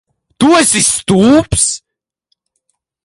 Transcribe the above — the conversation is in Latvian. Tu esi stulbs?